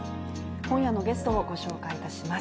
今夜のゲストをご紹介します。